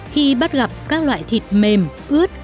khi bắt gặp các loại thịt mềm ướt